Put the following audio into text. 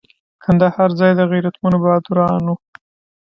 کندهار ځای د غیرتمنو بهادرانو.